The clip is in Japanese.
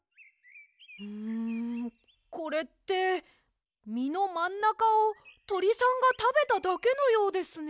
んこれってみのまんなかをとりさんがたべただけのようですね。